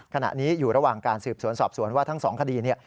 ขณะนี้อยู่ระหว่างการสืบสวนสอบสวนว่าทั้งสองคดีเนี่ย